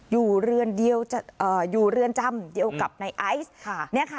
อยู่เรือนเดียวเอ่ออยู่เรือนจำเดียวกับในไอซ์ค่ะเนี้ยค่ะ